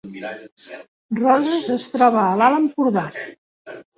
Roses es troba a l’Alt Empordà